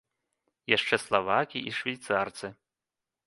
Яшчэ славакі і швейцарцы.